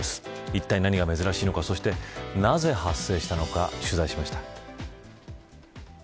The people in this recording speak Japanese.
一体何が珍しいのかなぜ発生したのか取材しました。